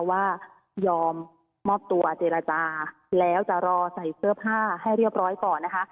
ว่ายอมมอบตัวเจรจาแล้วจะรอใส่เสื้อผ้าให้เรียบร้อยก่อนนะคะ